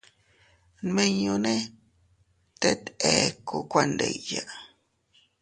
Nmiñune teet ekku kuandiya.